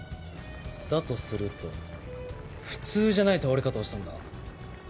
だとすると普通じゃない倒れ方をしたんだ。